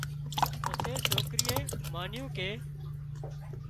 پسي سوڪري مانيون ڪي